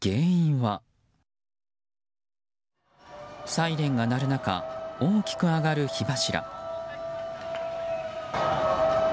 サイレンが鳴る中大きく上がる火柱。